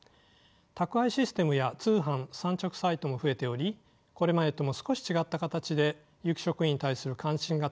宅配システムや通販産直サイトも増えておりこれまでとも少し違った形で有機食品に対する関心が高まっていると感じます。